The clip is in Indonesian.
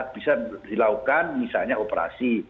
bisa dilakukan misalnya operasi